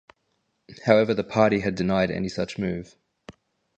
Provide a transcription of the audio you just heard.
However the party had denied any such move.